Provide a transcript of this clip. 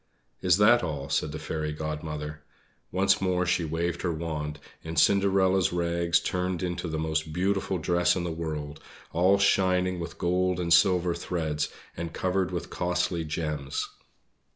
"Is that all?" said the Fairy Godmother. Once more she waved her wand, and Cinderella's rags turned into the most beautiful dress in the world, all shining with gold and silver threads and covered with costly gems.